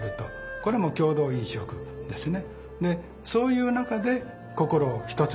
これも共同飲食ですね。